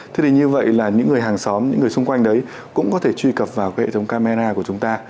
thế thì như vậy là những người hàng xóm những người xung quanh đấy cũng có thể truy cập vào cái hệ thống camera của chúng ta